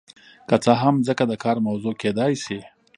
که څه هم ځمکه د کار موضوع کیدای شي.